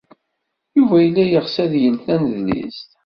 Yuba yella yeɣs ad yel tanedlist.